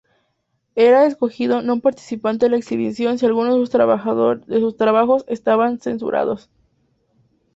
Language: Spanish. Hera escogió no participar en la exhibición si algunos de sus trabajos estaban censurados.